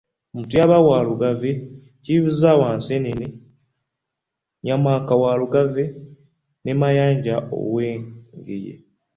Mutyaba wa Lugave, Kizza wa Nseenene, Nnyamanka wa Lugave, ne Mayanja ow'Engeye.